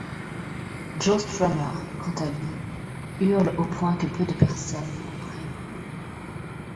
Joe Strummer, quant à lui, hurle au point que peu de personnes le comprennent.